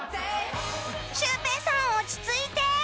シュウペイさん落ち着いて！